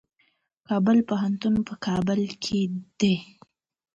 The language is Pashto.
د کابل پوهنتون په کابل کې دی